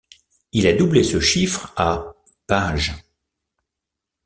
Il a doublé ce chiffre à pages.